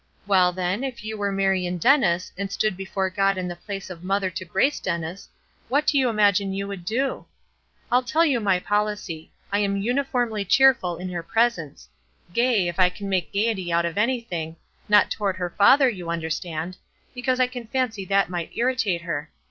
Well, then, if you were Marion Dennis, and stood before God in the place of mother to Grace Dennis, what do you imagine you would do? I'll tell you my policy; I am uniformly cheerful in her presence gay, if I can make gayety out of anything; not toward her father, you understand, because I can fancy that might irritate her.